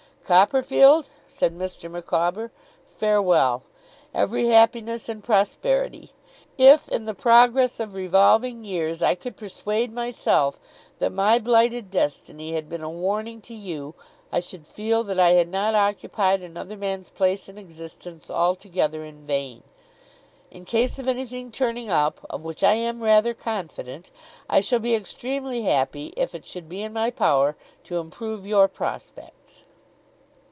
'Copperfield,' said Mr. Micawber, 'farewell! Every happiness and prosperity! If, in the progress of revolving years, I could persuade myself that my blighted destiny had been a warning to you, I should feel that I had not occupied another man's place in existence altogether in vain. In case of anything turning up (of which I am rather confident), I shall be extremely happy if it should be in my power to improve your prospects.